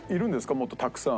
もっとたくさん。